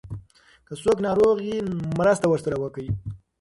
که څوک ناروغ وي مرسته ورسره وکړئ.